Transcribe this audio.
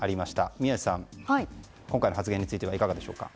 宮司さん、今回の発言についてはいかがでしょうか。